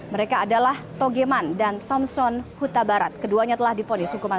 mereka adalah togeman dan thompson hutabarat keduanya telah difonisikan